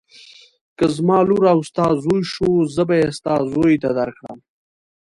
که زما لور او ستا زوی شو زه به یې ستا زوی ته درکړم.